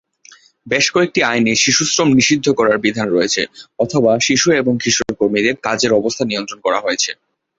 বেশ কয়েকটি আইনে শিশুশ্রম নিষিদ্ধ করার বিধান রয়েছে, অথবা শিশু এবং কিশোর কর্মীদের কাজের অবস্থা নিয়ন্ত্রণ করা হয়েছে।